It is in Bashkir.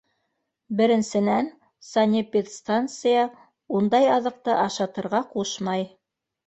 Беренсенән, санэпидстанция ундай аҙыҡты ашатырға ҡушмай.